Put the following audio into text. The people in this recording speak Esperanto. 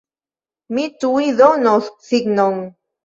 Mi tuj donos signon!